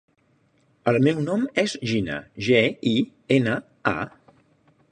El meu nom és Gina: ge, i, ena, a.